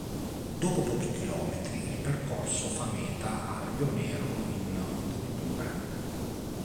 Dopo pochi chilometri, il percorso fa meta a Rionero in Vulture.